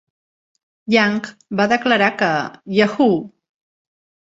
Yang va declarar que Yahoo!